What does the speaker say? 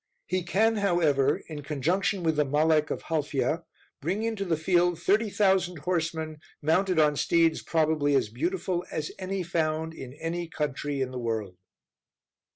He can, however, in conjunction with the Malek of Halfya, bring into the field thirty thousand horsemen, mounted on steeds probably as beautiful as any found in any country in the world.